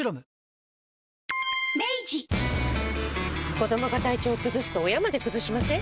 子どもが体調崩すと親まで崩しません？